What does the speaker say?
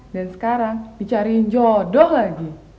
dan sekarang dicariin jodoh lagi